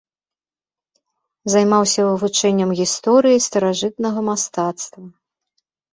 Займаўся вывучэннем гісторыі старажытнага мастацтва.